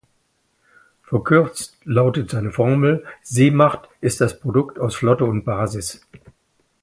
Verkürzt lautet seine Formel: ""Seemacht ist das Produkt aus Flotte und Basis"".